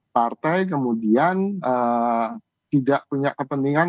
partai kemudian tidak punya kepentingan